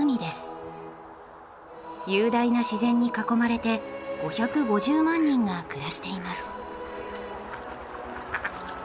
雄大な自然に囲まれて５５０万人が暮らしています。